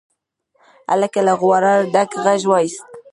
هلک له غروره ډک غږ واېست.